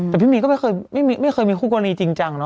แต่พี่มีดก็ไม่เคยมีคู่ก้อนละอีจริงจัง